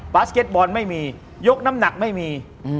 สเก็ตบอลไม่มียกน้ำหนักไม่มี